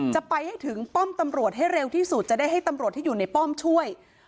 จะไปให้ถึงป้อมตำรวจให้เร็วที่สุดจะได้ให้ตำรวจที่อยู่ในป้อมช่วย